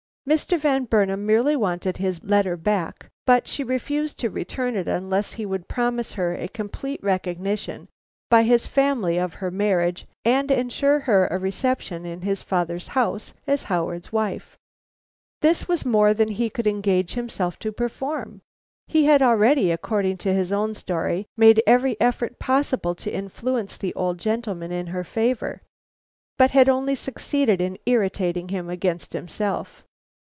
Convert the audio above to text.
Mr. Van Burnam merely wanted his letter back, but she refused to return it unless he would promise her a complete recognition by his family of her marriage and ensure her a reception in his father's house as Howard's wife. This was more than he could engage himself to perform. He had already, according to his own story, made every effort possible to influence the old gentleman in her favor, but had only succeeded in irritating him against himself.